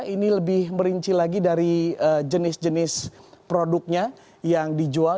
ini lebih merinci lagi dari jenis jenis produknya yang dijual